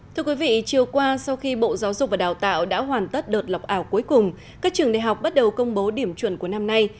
thưa quý vị chiều qua sau khi bộ giáo dục và đào tạo đã hoàn tất đợt lọc ảo cuối cùng các trường đại học bắt đầu công bố điểm chuẩn của năm nay